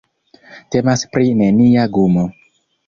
Temas pri nenia gumo.